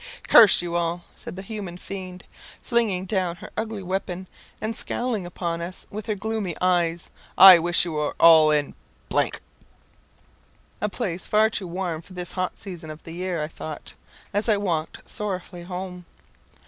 "Curse you all!" said the human fiend, flinging down her ugly weapon, and scowling upon us with her gloomy eyes. "I wish you were all in ." A place far too warm for this hot season of the year, I thought, as I walked sorrowfully home.